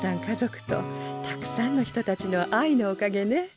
家族とたくさんの人たちの愛のおかげね。